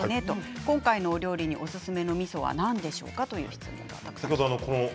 今回の料理におすすめのみそは何でしょうか？というものです。